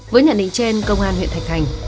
với nhận định trên công an huyện thạch thành